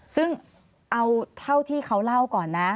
ซึ่งเอาเท่าที่เขาเล่าก่อนนะ